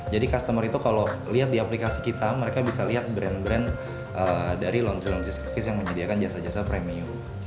jadi customer itu kalau lihat di aplikasi kita mereka bisa lihat brand brand dari laundry laundry service yang menyediakan jasa jasa premium